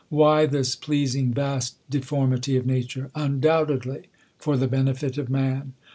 Why this pleasing, vast deformity of nature,? Undoubtedly for the benefit of man.